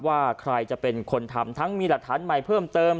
ว่าใครจะเป็นคนทำทั้งมีหลักฐานใหม่เพิ่มเติม